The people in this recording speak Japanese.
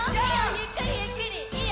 ゆっくりゆっくりいいよ。